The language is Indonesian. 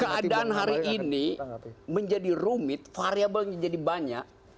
keadaan hari ini menjadi rumit variabel menjadi banyak